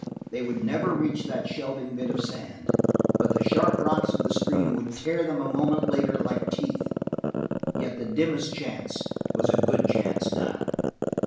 They would never reach that shelving bit of sand, but the sharp rocks of the stream would tear them a moment later like teeth. Yet the dimmest chance was a good chance now.